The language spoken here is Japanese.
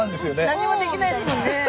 何もできないですもんね。